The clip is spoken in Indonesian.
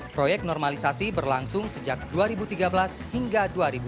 proyek normalisasi berlangsung sejak dua ribu tiga belas hingga dua ribu sembilan belas